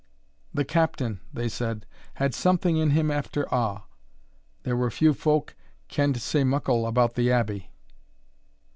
"The Captain," they said, "had something in him after a', there were few folk kend sae muckle about the Abbey."